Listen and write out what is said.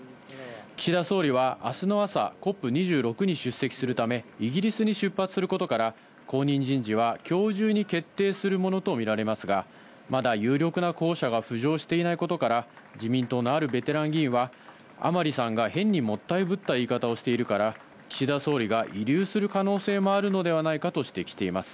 岸田総理はあすの朝、ＣＯＰ２６に出席するため、イギリスに出発することから、後任人事はきょう中に決定するものと見られますが、まだ有力な候補者が浮上していないことから、自民党のあるベテラン議員は、甘利さんが変にもったいぶった言い方をしているから、岸田総理が慰留する可能性もあるのではないかと指摘しています。